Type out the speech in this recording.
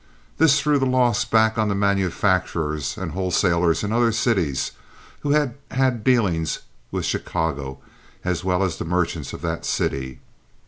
This threw the loss back on the manufacturers and wholesalers in other cities who had had dealings with Chicago as well as the merchants of that city.